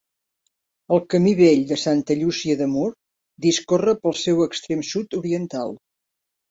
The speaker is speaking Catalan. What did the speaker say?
El Camí vell de Santa Llúcia de Mur discorre pel seu extrem sud-oriental.